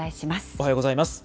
おはようございます。